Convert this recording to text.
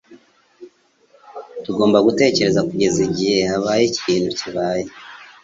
Tugomba gutegereza kugeza igihe habaye ikintu kibaye.